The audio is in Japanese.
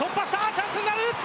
チャンスになる！